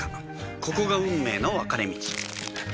ここが運命の分かれ道